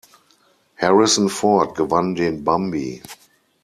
Harrison Ford gewann den Bambi.